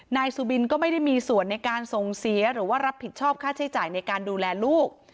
นายสุบินก็ไม่ได้มีส่วนในการส่งเสียหรือว่ารับผิดชอบค่าใช้จ่ายในการดูแลลูก